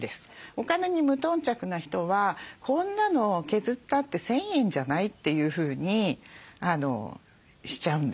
お金に無頓着な人は「こんなの削ったって１，０００円じゃない？」というふうにしちゃうんですね。